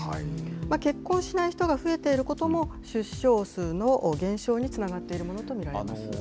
結婚しない人が増えていることも、出生数の減少につながっているものと見られます。